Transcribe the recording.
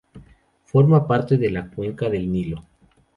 Forma parte de la cuenca del Nilo.